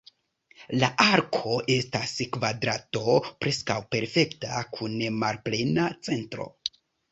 La arko estas kvadrato preskaŭ perfekta, kun malplena centro.